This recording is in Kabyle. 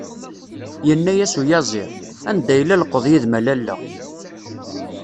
Yenna-as uyaziḍ. "Anda yella llqeḍ yid-m a lalla?"